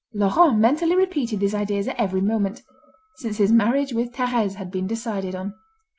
Laurent mentally repeated these ideas at every moment, since his marriage with Thérèse had been decided on.